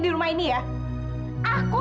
di rumah ini ya aku